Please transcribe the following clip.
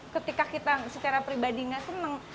ketika kita secara pribadi gak senang